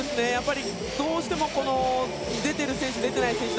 どうしても出ている選手、出てない選手